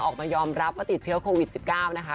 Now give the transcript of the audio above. ออกมายอมรับว่าติดเชื้อโควิด๑๙นะคะ